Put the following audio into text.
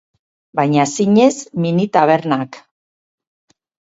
Baina zinez mini tabernak.